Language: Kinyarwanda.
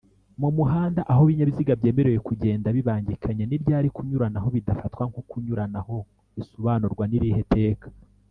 mumuhanda aho Ibinyabiziga byemerewe kugenda bibangikanye ni ryari kunyuranaho bidafatwa nko kunyuranaho bisobanurwa niriheteka